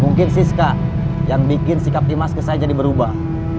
mungkin siska yang bikin sikap dimas ke saya jadi berubah